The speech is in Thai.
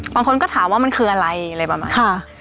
มันก็ถามว่ามันคืออะไรอะไรประมาณค่ะ